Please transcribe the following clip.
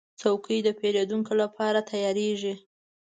چوکۍ د پیرودونکو لپاره تیارېږي.